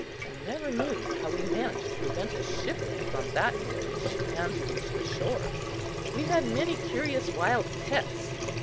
I never knew how we managed to prevent a shipwreck on that voyage and to reach the shore. We had many curious wild pets.